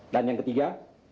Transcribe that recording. dan yang ketiga